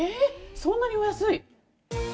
そんなにお安い？